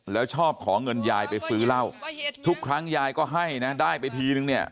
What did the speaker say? แล้วชอบขอเงินยายไปซื้อเหล้าทุกครั้งยายก็ให้นะได้ไปทีนึงเนี่ย